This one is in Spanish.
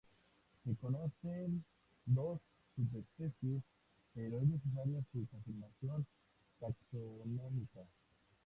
Se conocen dos subespecies pero es necesaria su confirmación taxonómica.